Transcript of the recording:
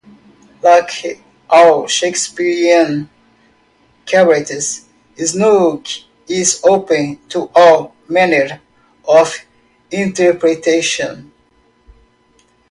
Like all Shakesperean characters, Snug is open to all manner of interpretation.